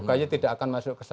kayaknya tidak akan masuk ke sana